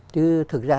chứ thực ra